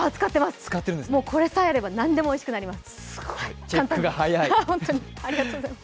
使ってます、これさえあれば何でもおいしくなります。